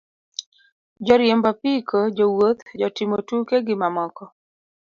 Joriembo apiko, jowuoth, jotimo tuke, gi mamoko.